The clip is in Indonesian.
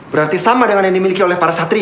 berarti sama dengan yang dimiliki oleh para satria